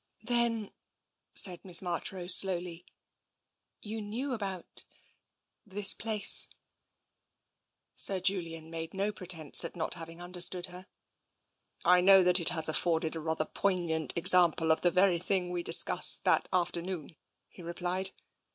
" Then," said Miss Marchrose slowly, " you knew about — this place ?" Sir Julian made no pretence at not having under stood her. " I know that it has afforded a rather poignant ex ample of the very thing we discussed that afternoon," he replied.